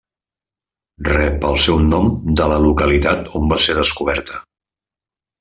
Rep el seu nom de la localitat on va ser descoberta.